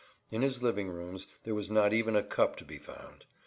In his living rooms there was not even a cup to be found.